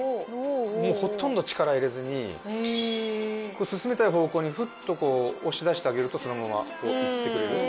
もうほとんど力入れずに進みたい方向にフッと押し出してあげるとそのままこういってくれるんで。